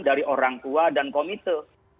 dari orang tua dan komite